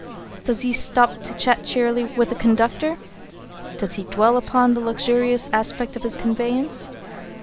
Does he stop to chat cheerily with the conductor? Does he dwell upon the luxurious aspect of his conveyance?